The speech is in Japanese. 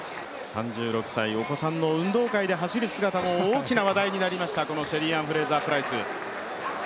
３６歳、お子さんの運動会で走る姿も大きな話題になりました、このシェリーアン・フレイザープライス。